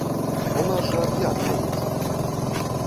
У нас жа як робіцца?